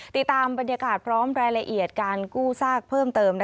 ติดตามบรรยากาศพร้อมรายละเอียดการกู้ซากเพิ่มเติม